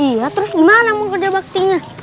iya terus gimana mau kerja baktinya